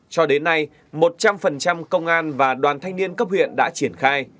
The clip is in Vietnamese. cho đến nay một trăm linh công an và đoàn thanh niên cấp huyện đã triển khai